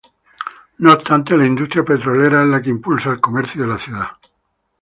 No obstante, la industria petrolera es la que impulsa el comercio de la ciudad.